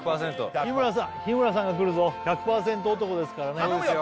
日村さん日村さんがくるぞ１００％男ですからね頼むよ